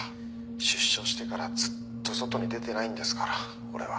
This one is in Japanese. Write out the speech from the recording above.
「出所してからずっと外に出てないんですから俺は」